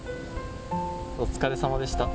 お疲れさまでした。